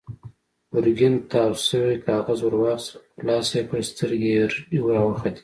ګرګين تاو شوی کاغذ ور واخيست، خلاص يې کړ، سترګې يې رډې راوختې.